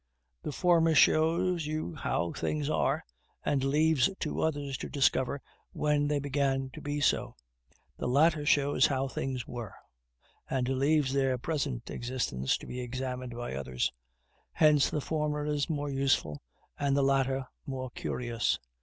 The former shows you how things are, and leaves to others to discover when they began to be so. The latter shows you how things were, and leaves their present existence to be examined by others. Hence the former is more useful, the latter more curious.